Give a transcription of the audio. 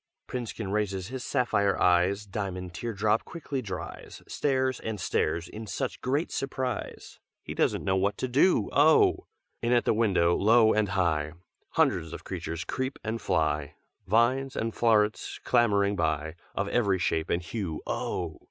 "Princekin raises his sapphire eyes, Diamond tear drop quickly dries, Stares and stares in such great surprise He doesn't know what to do, oh! In at the window, low and high, Hundreds of creatures creep and fly, Vines and flowerets clambering by, Of every shape and hue, oh!